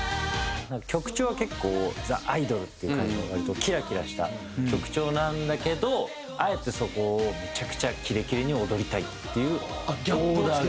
曲調が結構ザ・アイドルっていう感じの本当にキラキラした曲調なんだけどあえてそこをめちゃくちゃキレキレに踊りたいっていうオーダーが。